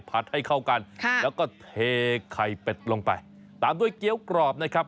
ให้เข้ากันค่ะแล้วก็เทไข่เป็ดลงไปตามด้วยเกี้ยวกรอบนะครับ